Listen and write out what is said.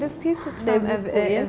sebenarnya ini dari